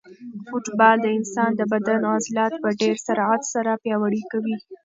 فوټبال د انسان د بدن عضلات په ډېر سرعت سره پیاوړي کوي.